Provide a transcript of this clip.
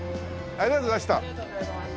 ありがとうございます。